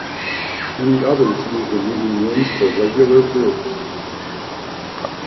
Many others used the meeting rooms for regular groups.